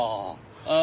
ああ。